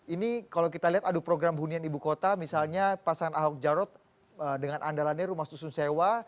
ini kalau kita lihat adu program hunian ibu kota misalnya pasangan ahok jarot dengan andalannya rumah susun sewa